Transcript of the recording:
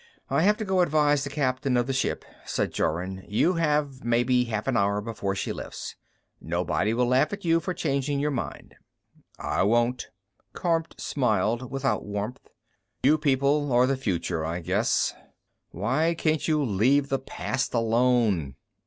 "I have to go advise the captain of the ship," said Jorun. "You have maybe half an hour before she lifts. Nobody will laugh at you for changing your mind." "I won't." Kormt smiled without warmth. "You people are the future, I guess. Why can't you leave the past alone?